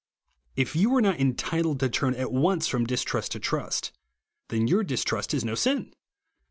If jou are not entitled to turn at once from distrust to trust, then your distrust is no sin.